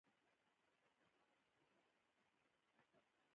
چاکلېټ د میوو له خوږو سره جوړېږي.